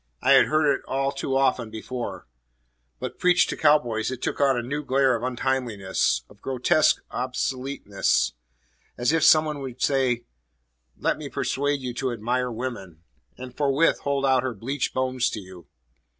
I had heard it all often before; but preached to cow boys it took on a new glare of untimeliness, of grotesque obsoleteness as if some one should say, "Let me persuade you to admire woman," and forthwith hold out her bleached bones to you.